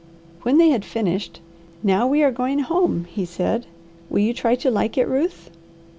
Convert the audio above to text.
When they had finished, "Now we are going home," he said. "Will you try to like it, Ruth?"